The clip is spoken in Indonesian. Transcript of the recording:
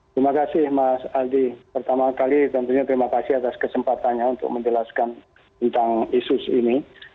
terima kasih mas aldi pertama kali tentunya terima kasih atas kesempatannya untuk menjelaskan tentang isu ini